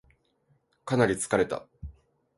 かなり疲れた